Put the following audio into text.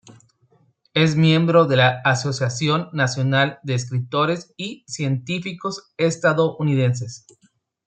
Es miembro de la Asociación Nacional de escritores y científicos estadounidenses.